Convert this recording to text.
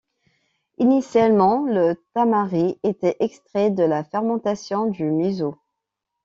Initialement, le tamari était extrait de la fermentation du miso.